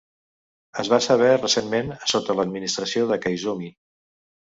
Es va saber recentment sota l'administració de Koizumi.